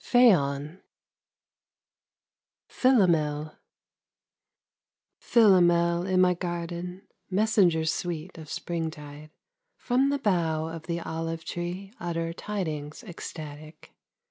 PHAON PHILOMEL Philomel in my garden, Messenger sweet of springtide, From the bough of the olive tree utter Tidings ecstatic.